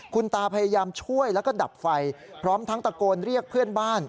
คุณตาพยายามช่วยแล้วก็ดับไฟพร้อมทั้งตะโกนเรียกเพื่อนบ้าน